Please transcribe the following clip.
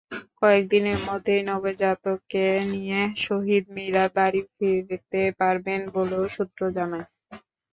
কয়েক দিনের মধ্যেই নবজাতককে নিয়ে শহীদ-মিরা বাড়ি ফিরতে পারবেন বলেও সূত্র জানায়।